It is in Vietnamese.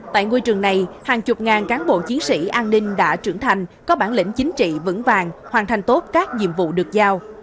tại ngôi trường này hàng chục ngàn cán bộ chiến sĩ an ninh đã trưởng thành có bản lĩnh chính trị vững vàng hoàn thành tốt các nhiệm vụ được giao